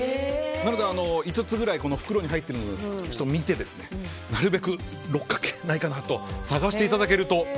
なので５つぐらい入ってるのを見てなるべく六角形がないかなと探していただけると。